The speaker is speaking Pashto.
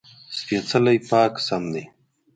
سپېڅلی: پاک سم دی.